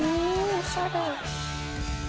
おしゃれ。